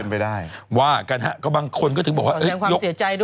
อ๋อเยี่ยมเลยนะเขาพอตื่นสูง